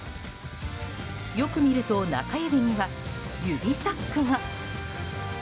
よく見ると中指には指サックが。